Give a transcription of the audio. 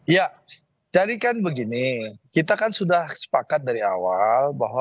ya jadi kan begini kita kan sudah sepakat dari awal bahwa